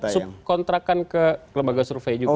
oh jadi mereka tetap subkontrakan ke lembaga survei juga ya